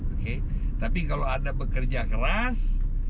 oke tapi kalau anda bekerja keras